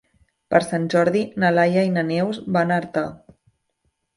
Per Sant Jordi na Laia i na Neus van a Artà.